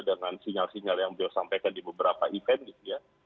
dengan sinyal sinyal yang beliau sampaikan di beberapa event gitu ya